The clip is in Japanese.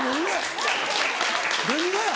何がや？